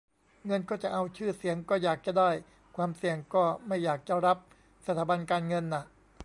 เงินก็จะเอา ชื่อเสียงก็อยากจะได้ ความเสี่ยงก็ไม่อยากจะรับ สถาบันการเงินน่ะ